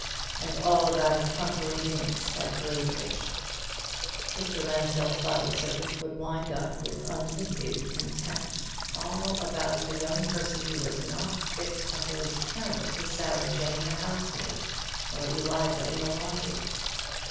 And all about a trumpery minx at Graybridge! Mr. Lansdell's body servant would wind up, with unmitigated contempt: all about a young person who was not fit to hold a candle to Sarah Jane the housemaid, or Eliza in the laundry!